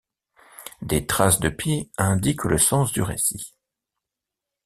Des traces de pieds indiquent le sens du récit.